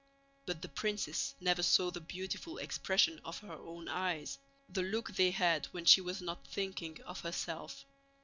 But the princess never saw the beautiful expression of her own eyes—the look they had when she was not thinking of herself.